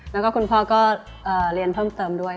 แล้วก็คุณพ่อก็เรียนเพิ่มเติมด้วย